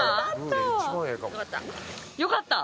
よかった？